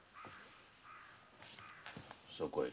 そこへ。